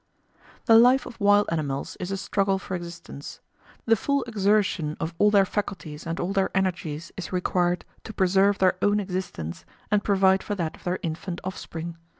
The life of wild animals is a struggle for existence. The full exertion of all their faculties and all their energies is required to preserve their own existence and provide for that of their infant offspring.